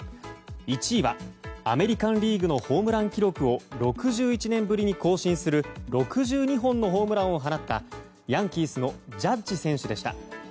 １位はアメリカン・リーグのホームラン記録を６１年ぶりに更新する６２本のホームランを放ったヤンキースのジャッジ選手でした。